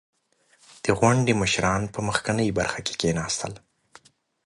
• د غونډې مشران په مخکینۍ برخه کښېناستل.